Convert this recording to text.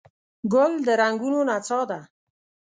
ګل د رنګونو نڅا ده.